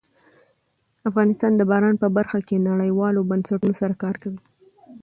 افغانستان د باران په برخه کې نړیوالو بنسټونو سره کار کوي.